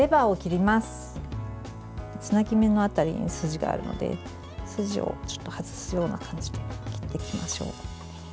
つなぎ目の辺りに筋があるので筋を外すような感じで切っていきましょう。